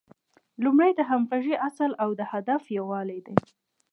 لومړی د همغږۍ اصل او د هدف یووالی دی.